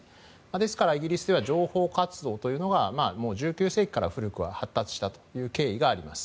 ですから、イギリスでは情報活動というのが１９世紀から古くは発達したという経緯があります。